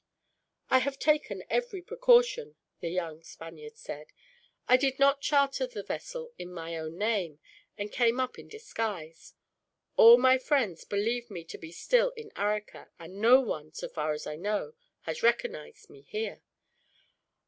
"I have taken every precaution," the young Spaniard said. "I did not charter the vessel in my own name, and came up in disguise. All my friends believe me to be still at Arica, and no one, so far as I know, has recognized me here.